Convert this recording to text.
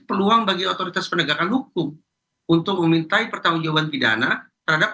peluang bagi otoritas penegakan hukum untuk memintai pertanggung jawaban pidana terhadap